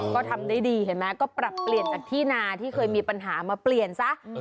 ก็ทำได้ดีเพราะปรับเปลี่ยนที่ที่ธีนาเคยมีปัญหามาเปลี่ยนซ้ะ